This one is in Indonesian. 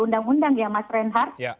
undang undang ya mas reinhardt